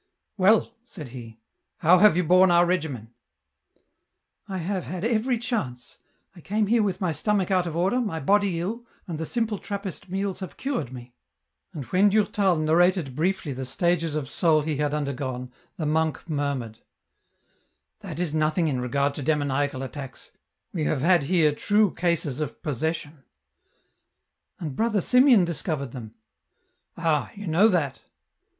" Well," said he, " how have you borne our regimen ?"" I have had every chance ; I came here with my stomach out of order, my body ill, and the simple Trappist meals have cured me." And when Durtal narrated briefly the stages of soul he had undergone, the monk murmured, " That is nothing in regard to demoniacal attacks ; we have had here true cases of possession." " And Brother Simeon discovered them !" "Ah! you know that